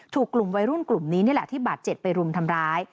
ถูกกลุ่มวัยรุ่นกลุ่มนี้นี่แหละที่บาดเจ็บไปรุมทำร้าย